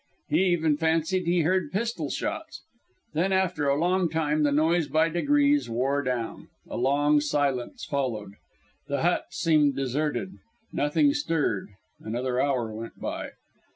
He even fancied he heard pistol shots. Then after a long time the noise by degrees wore down; a long silence followed. The hut seemed deserted; nothing stirred; another hour went by.